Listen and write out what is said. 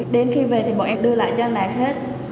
đến khi về thì bọn em đưa lại cho anh đạt hết